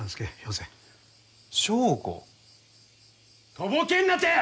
とぼけんなて！